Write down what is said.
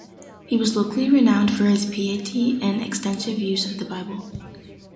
He was locally renowned for his piety and extensive use of the Bible.